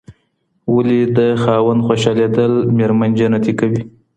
ولي د خاوند خوشالېدل ميرمن جنتي کوي؟